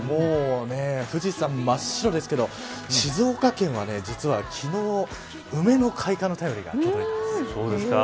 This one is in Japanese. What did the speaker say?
富士山、真っ白ですけど静岡県は、実は昨日梅の開花の便りが届いたんです。